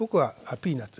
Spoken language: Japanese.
ピーナツ？